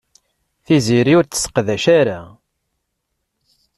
Tiziri ur t-tesseqdac ara.